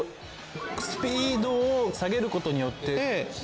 スピードをこれで２段階下げることによって。